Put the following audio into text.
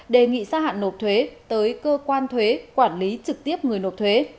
đề nghị gia hạn nộp thuế tới cơ quan thuế quản lý trực tiếp người nộp thuế